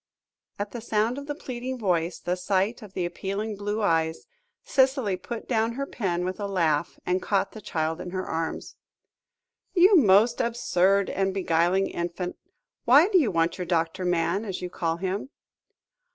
At the sound of the pleading voice, the sight of the appealing blue eyes, Cicely put down her pen with a laugh, and caught the child in her arms. "You most absurd and beguiling infant, why do you want your doctor man, as you call him?"